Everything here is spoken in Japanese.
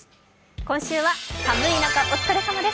今週は、「寒い中お疲れ様です！